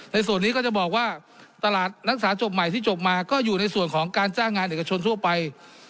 ส่วนนี้ก็จะบอกว่าตลาดรักษาจบใหม่ที่จบมาก็อยู่ในส่วนของการจ้างงานเอกชนทั่วไป